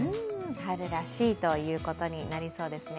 春らしいということになりそうですね。